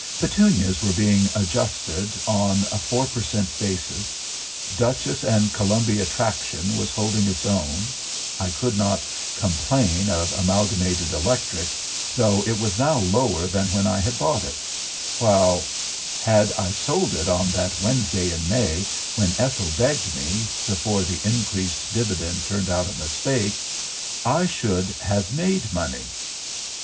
"Petunias were being adjusted on a four per cent basis; Dutchess and Columbia Traction was holding its own; I could not complain of Amalgamated Electric, though it was now lower than when I had bought it, while had I sold it on that Wednesday in May when Ethel begged me, before the increased dividend turned out a mistake, I should have made money.